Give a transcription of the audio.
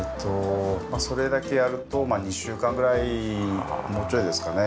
それだけやると２週間ぐらいもうちょいですかね。